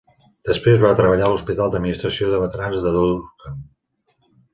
Després va treballar a l'Hospital d'Administració de Veterans de Durham.